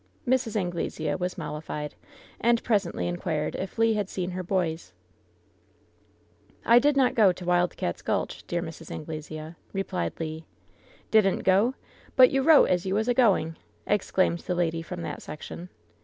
Mrs. Anglesea was mollified, and presently inquired if Le had seen her boys. 164 LOVE'S BITTEREST CUP "I did not fTQ to Wild Cats' Gulch, dear Mrs. Angle sea," replied Le. " ^Didn't go!' But you wrote as you was a going!" exclaimed the lady from that section.